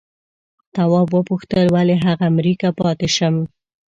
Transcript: تواب وپوښتل ولې هغه مري که پاتې شم؟